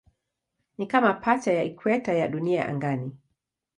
Ni kama pacha ya ikweta ya Dunia angani.